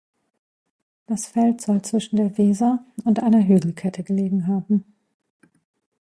Das Feld soll zwischen der Weser und einer Hügelkette gelegen haben.